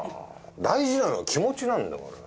大事なのは気持ちなんだから。